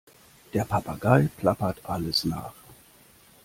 Der Papagei plappert alles nach.